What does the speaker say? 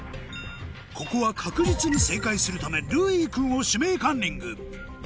ここは確実に正解するためるうい君を「指名カンニング」